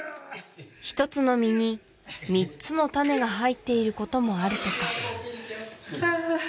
１つの実に３つの種が入っていることもあるとかああ